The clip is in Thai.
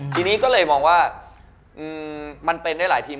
ทีนี้ก็เลยมองว่ามันเป็นได้หลายทีม